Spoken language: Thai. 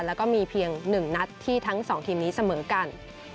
แล้วก็มีเพียง๑นัดที่ทั้ง๒ทีมนี้เสมอกัน